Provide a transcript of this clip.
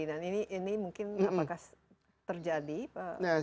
ini mungkin apakah terjadi pak